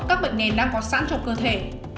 các bệnh nền đang có sẵn trong cơ thể